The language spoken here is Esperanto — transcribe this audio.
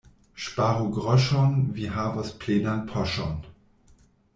Ŝparu groŝon — vi havos plenan poŝon.